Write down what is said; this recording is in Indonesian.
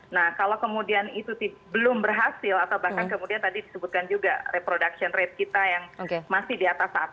nah kalau kemudian itu belum berhasil atau bahkan kemudian tadi disebutkan juga reproduction rate kita yang masih di atas satu